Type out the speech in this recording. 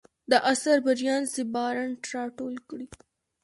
دا اثر بریان سي بارنټ راټول کړی.